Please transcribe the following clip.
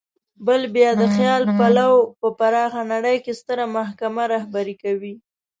بل بیا د خیال پلو په پراخه نړۍ کې ستره محکمه رهبري کوي.